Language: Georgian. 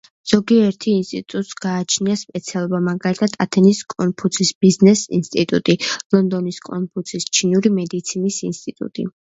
ზოგიერთ ინსტიტუტს გააჩნია სპეციალობა, მაგალითად ათენის კონფუცის ბიზნეს ინსტიტუტი, ლონდონის კონფუცის ჩინური მედიცინის ინსტიტუტი.